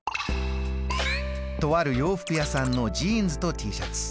とある洋服屋さんのジーンズとＴシャツ。